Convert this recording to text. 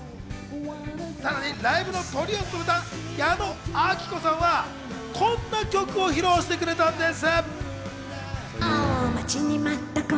さらにライブのトリを務めた矢野顕子さんは、こんな曲を披露してくれたんです。